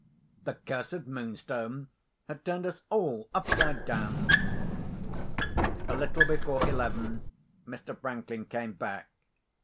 The cursed Moonstone had turned us all upside down. A little before eleven Mr. Franklin came back.